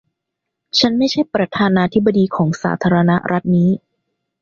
ฉันไม่ใช่ประธานาธิบดีของสาธารณรัฐนี้